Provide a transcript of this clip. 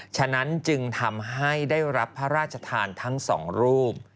ฉะนั้นจึงทำให้ได้รับพระราชทานทั้งสองรูป